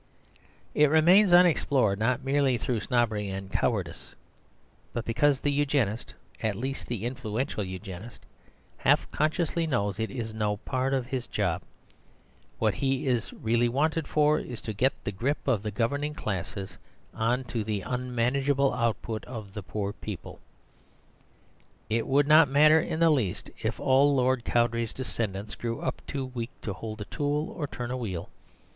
It remains unexplored not merely through snobbery and cowardice, but because the Eugenist (at least the influential Eugenist) half consciously knows it is no part of his job; what he is really wanted for is to get the grip of the governing classes on to the unmanageable output of poor people. It would not matter in the least if all Lord Cowdray's descendants grew up too weak to hold a tool or turn a wheel.